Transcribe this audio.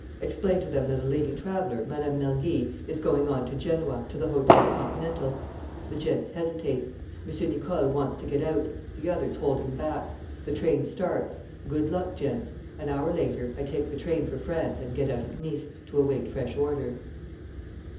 Explain to them that a lady traveller, Mme. Mergy, is going on to Genoa, to the Hôtel Continental. The gents hesitate. M. Nicole wants to get out. The others hold him back. The train starts. Good luck, gents! An hour later, I take the train for France and get out at Nice, to await fresh orders."